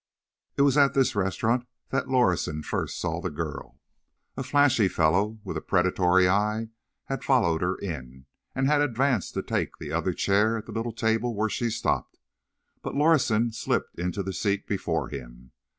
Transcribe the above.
It was at this restaurant that Lorison first saw the girl. A flashy fellow with a predatory eye had followed her in, and had advanced to take the other chair at the little table where she stopped, but Lorison slipped into the seat before him.